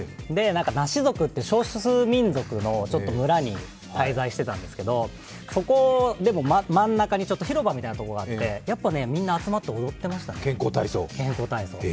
ナシ族という少数民族の村に滞在してたんですけどそこでも真ん中に広場みたいなところがあって、やっぱみんな集まって踊ってましたね、健康体操。